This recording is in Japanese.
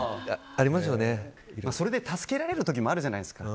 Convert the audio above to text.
それで助けられる時もあるじゃないですか。